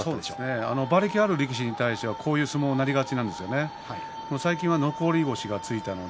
馬力ある力士に対してはこういう相撲になりがちです。